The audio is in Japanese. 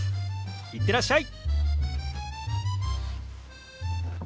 行ってらっしゃい！